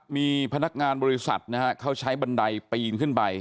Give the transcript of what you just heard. มีพนักงานบริษัทนะฮะเขาใช้บันไดปีนขึ้นไป